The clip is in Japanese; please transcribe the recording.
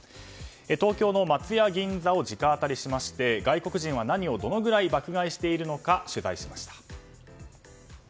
東京の松屋銀座を直アタリしまして外国人は、何をどのぐらい爆買いしているのか取材しました。